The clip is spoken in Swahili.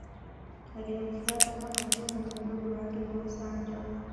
Aliyemfuata kama Tenno ni mdogo wake, Go-Sanjo.